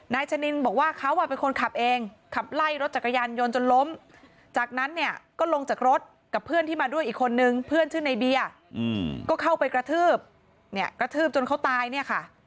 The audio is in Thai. ชะนินบอกว่าเขาเป็นคนขับเองขับไล่รถจักรยานยนต์จนล้มจากนั้นเนี่ยก็ลงจากรถกับเพื่อนที่มาด้วยอีกคนนึงเพื่อนชื่อในเบียร์ก็เข้าไปกระทืบเนี่ยกระทืบจนเขาตายเนี่ยค่ะ